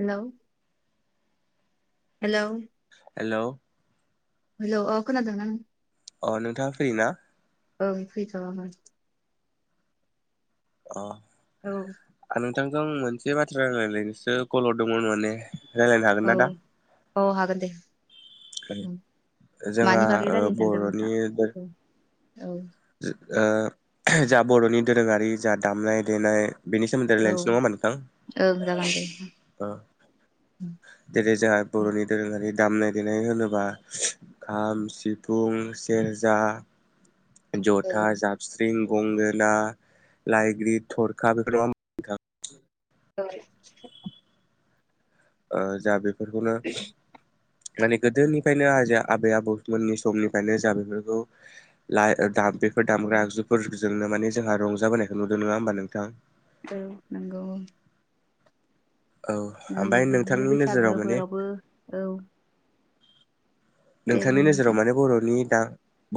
Hello hello hello hello अ खोनादों ना नों अ नोंथाङा फ्रि ना? ओं फ्रिथ' आङो। अ औ आं नोंथांजों मोनसे बाथ्रा रायलायलायनोसो कल' हरदोंमोन माने रायज्लायनो हागोन औ ना दा? औ हागोन दे, ओं। जोंहा मानि बागै ओ रयालायनो सानदों बर'नि नोंथां? ओ जा बर'नि दोरोङारि जा दामनाय-देनाय बेनि सोमोन्दै औ रायलायनोसै नङा ओम ओं जागोन दे नोंथां? जेरै जोंहा औ बर'नि दोरोङारि दामनाय-देनाय होनोबा खाम, सिफुं, सेरजा, जथा, जाबस्रिं, गंगोना, लाइग्रिद, थरखा बेफोर नङा होमबा नोंथां? औ ओ जा बेफोरखौनो माने गोदोनिफ्रायनो आजै-आबै-आबौमोननि समनिफ्रायनो जा बेफोरखौ ला ओ दाम औ ग्रा आगजुफोरजोंनो माने जोंहा रंजाबोनायखौ नुदों। नङा होमबा नोंथां? औ नोंगौ। औ जोङो ओमफ्राय बिदिनो नोंथांनि नोजोराव माने बैसागोफोरावबो औ। दे नोंथांनि बुं नोंथां नोजोराव माने बर'नि दा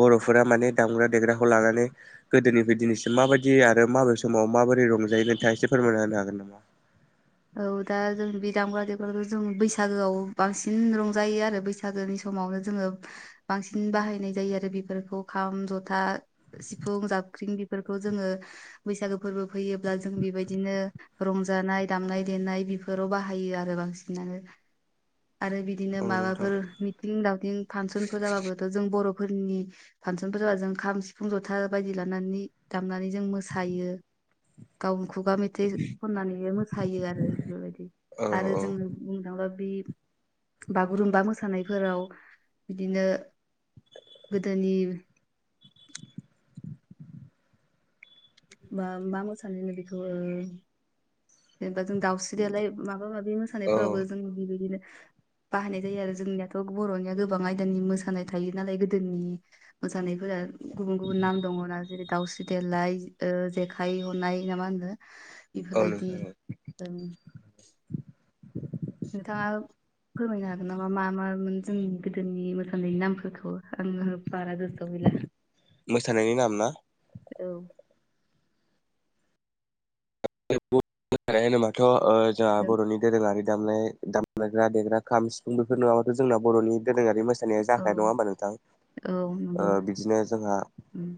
बर'फोरा माने दामग्रा देग्राखौ लानानै गोदोनिफाय दिनैसिम माबायदि आरो माबे समाव माबोरै रंजायो नोंथाङा एसे फोरमायना होनो हागोन नामा? औ दा जों बे दामग्रा-देग्रा जों बैसागोआव बांसिन रंजायो आरो बैसागोनि स मावनो जोङो बांसिन बाहायनाय जायो आरो बेफोरखौ खाम, जथा, सिफुं, जाब ख्रिं बेफोरखौ जोङो बैसागो फोरबो फैयोब्ला जों बेबायदिनो रंजानाय दामनाय-देनाय बेफोराव बाहायो आरो बांसिनानो। आरो बिदिनो औ नोंथां माबाफोर मिथिं-दावथिं फासनफोर जाबाबोथ' जों बर' फोरनि फासनफोर जा जों खाम, सिफुं, जथा बायदि लानानै दामनानै जों मोसायो गाव खुगा मेथाइ खननानैनो मोसायो आरो बेफोरबायदि औ औ आरो जोङो बुंनो थाङोबा बे बागुरुम्बा मोसानायफोराव बिदिनो गोदोनि बा मा मोसानाय होनो बेखौ ओ बा जों दउस्रियालाय माबा-माबि औ मोसानायफोरावबो जों बेबायदिनो [inaudible] बाहायनाय जायो आरो जोंनियाथ' बर'निया गोबां आयदानि मोसानाय थायो नालाय गोदोनि मोसानायफोरा गुबुन-गुबुन नाम दङना जेरै दाउस्रि देलााय ओ जेखाइ हनाय ना मा होन्दो औ बेफोरबायदि नोंथां जों नोंथाङा फोरमायनो हागोन नामा? मा मामोन जोंनि गोदोनि मोसानायनि नामफोरखौ आङो बारा गोसोआव गैला मोसानायनि नाम ना? औ [unintelligible] होनोबाथ' जोंहा जों बर'नि दोरोङारि दामायग्रा देग्रा खाम सिफुं बेफोर नङाबाथ' जोंना बर'नि दोरोङारि मोसा नाया औ जाखाया नङा होमबा नोंथां औ ओ नंगौ बिदिनो जोंहा उम,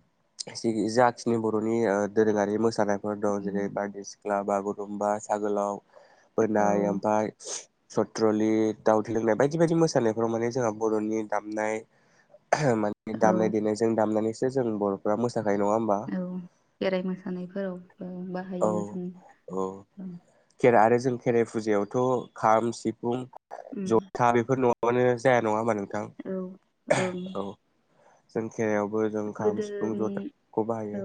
जाखिनि बर'नि दोरोङारि मोसानायफोर दं जेरै उम, बारदै सिख्ला बागुरुम्बा सागोलाव औ बोनाय ओमफाय सथ्रलि दाउ थै लोंनाय बायदि बायदि मोसानायफोराव माने जोंहा बर'नि दामनाय माने दामनाय औ देनायजों दामनानैसो जों बर'फ्रा मोस औ खेराइ मोसानायफोरावबो औ बाहायो जों औ औ। खेरा आरो जों खेराइ फुजायावथ' खाम सिफुं उम, जथा बेफोर नङा बानो जाया नङा होमबा औ ओं नोंथां औ जों खेरायावबो जों खाम सिफुं गोदोनि ज'थाखौ औ बाहायो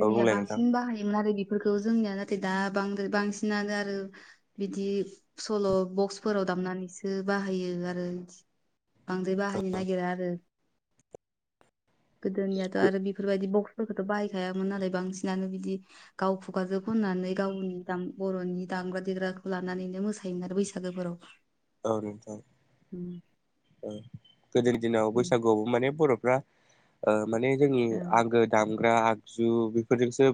औ बुंलाय नोंथां। बांसिन बाहायोमोन आरो बेफोरखौ जोंनिया नाथाय बाद्राय बांसिनानो आरो बिदि सल' बक्सफोराव दामनानैसो बाहायो आरो बांद्राय बाहायनो नागिरा आरो। गोदोनियाथ' आरो बेफोरबायदि ब थ' बाहायखायामोन नालाय बांसिनानो बिदि गाव खुगाजो खननानै गावनि दाम बर'नि दाम दामग्रा देग्राखौ लानानैनो मोसायोमोन आरो बैसागोफोराव। औ नोंथां। उम ओ गोदोनि दिनाव उम बैसागुआवबो माने बर'फ्रा ओ माने जोंनि ओ आंगो दाम ग्रा आगजु बेफोरजोंसो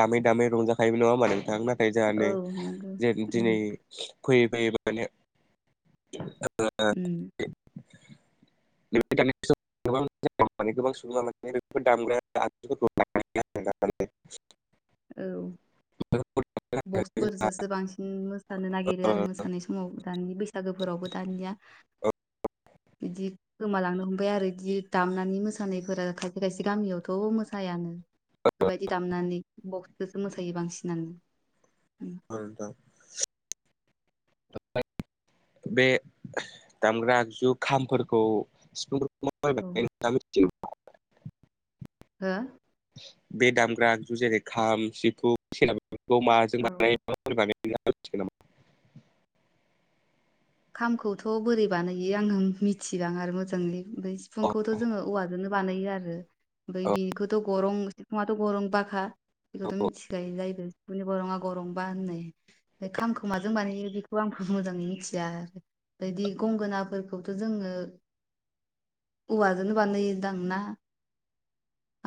दामै दामै रंजाखायोबो नङा होमा नोंथां ना औ नंगौ [unintelligible] दिनै उम फै [unintelligible] उम। [unintelligible] [unintelligible] [inaudible] औ। बक्सफोरजोंसो बांसिन मोसानो नागिरो आरो मोसानाय समाव दानि बैसा सागोफोरावबो दानिया। [inaudible] बिदि गोमालांनो हमबाय आरो बिदि दामनानै मोसानायफोरा खायसे खायसे गामियावथ' मोसायानो। बेफोरबायदि दामनानै बक्सखौसो मोसायो बांसिनानो। उम औ नोंथां। [unintelligible] बे दामग्रा आगजु खामफोरखौ सिफुंफोर औ [unintelligible] हो? बे दामग्रा आगजु जेरै खाम सिफु [unintelligible] माजो औ बानाया माबोरै बानायो? [unintelligible] खामखौथ' बोरै बानायो आङो मिथिबाङा आरो मोजाङै ओमफ्राय औ सिफुंखौथ' जोङो औवाजोंनो बानाय बानायो आरो ओमफ्राय औ बिखौथ' गरं सिफुङाथ' गरं बाखा। बेखौथ' मिथिखायो जायबो सिफुंनि गरंबा होननाय ओमफ्राय खामखौ माजों बानायहैयो बेखौ आं आंबो मोजाङै मिथिया बेदि गंगोनाफोरखौथ' जोङो औवाजों नो बानायोदां ना?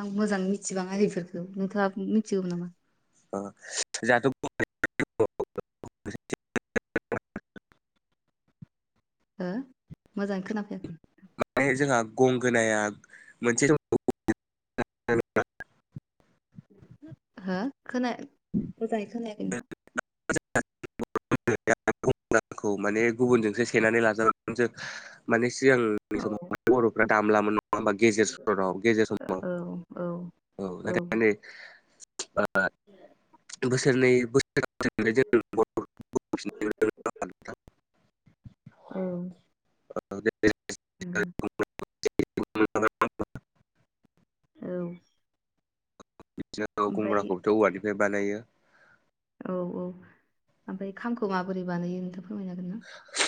आं मोजां मिथिबाङा इफोरखौ नोंथाङा मिथिगौ नामा? [unintelligible] हो मोजाङै खोनाफैयाखै। माने जोंहा गंगोनाया मोनसे द [unintelligible] [unintelligible] हो खोना मोजांयै खोनायाखै नों [unintelligible] खौ माने गुबुनजोंसो सेनानै लाजागोन जों माने सिगांनि औ समाव बरफ्रा दामला मोन औ औ औ [unintelligible] [unintelligible] [unintelligible] औ नंगो [unintelligible] औ बिदिनो ओमफ्राय गंग्राखौबोथ औवानिफ्राय बानायो। औ औ ओमफ्राय खामखौ माबोरै बानायो नोंथां फोरमायनो हागोन ना?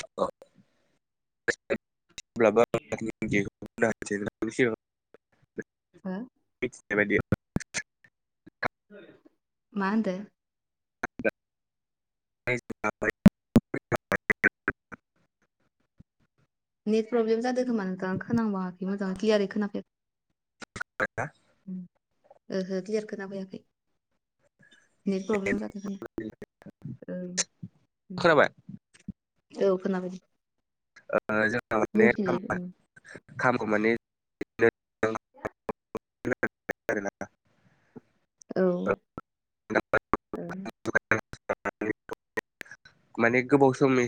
[unintelligible] [unintelligible] हा बेबायदि मा होनदो [unintelligible] नेट प्रब्लेम जादों खोमा नोंथाङा खोनाबाङाखै मोजांङै ल्कियारै खोनाफैया। [unintelligible] ओहो ल्कियार खोनाफैयाखै। नेट प्रब्लेम जादो ओ खोनाबाय औ खोनाफैदो ओ जोंनाव माने खामखौ माने [unintelligible] औ ओ माने गोबाव समनि